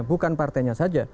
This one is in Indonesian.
bukan partainya saja